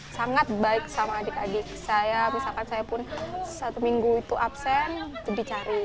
sangat baik sama adik adik saya misalkan saya pun satu minggu itu absen dicari